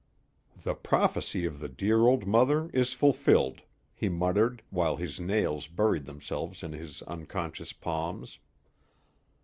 "The prophecy of the dear old mother is fulfilled," he muttered, while his nails buried themselves in his unconscious palms.